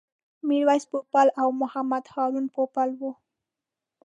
میرویس پوپل او محمد هارون پوپل و.